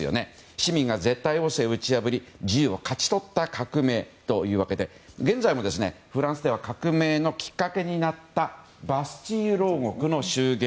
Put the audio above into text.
市民が絶対王政を打ち破り自由を勝ち取った革命で現在もフランスでは革命のきっかけになったバスチーユ牢獄の襲撃。